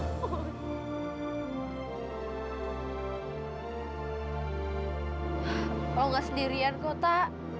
kau gak sendirian kota